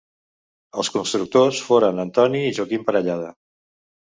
Els constructors foren Antoni i Joaquim Parellada.